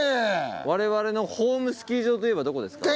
我々のホームスキー場といえばどこですか？